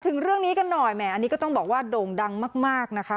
ถึงเรื่องนี้กันหน่อยแหมอันนี้ก็ต้องบอกว่าโด่งดังมากนะคะ